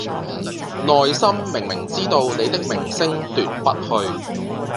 內心明明知道你的明星奪不去